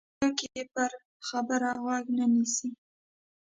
چې څوک یې پر خبره غوږ نه نیسي.